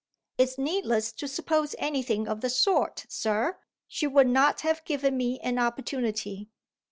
"It's needless to suppose anything of the sort, sir; she would not have given me an opportunity."